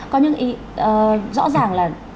có những ý rõ ràng là